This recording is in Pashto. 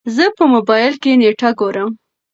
زه په موبايل کې نېټه ګورم.